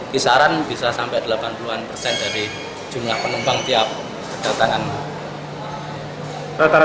kisaran bisa sampai delapan puluh an persen dari jumlah penumpang tiap kedatangan